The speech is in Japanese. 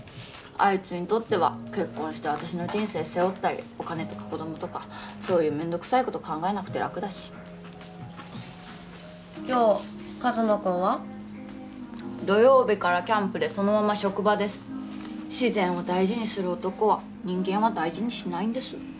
あいつにとっては結婚して私の人生背負ったりお金とか子供とかそういうめんどくさいこと考えなくて楽だし今日一真君は？土曜日からキャンプでそのまま職場です自然を大事にする男は人間は大事にしないんです